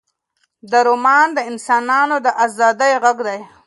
دا رومان د انسانانو د ازادۍ غږ دی.